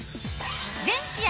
全試合